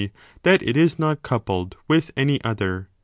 that it is not coupled with any other.